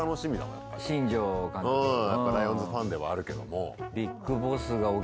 うんライオンズファンではあるけども。